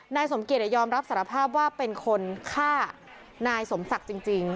นายสมเกียจยอมรับสารภาพว่าเป็นคนฆ่านายสมศักดิ์จริง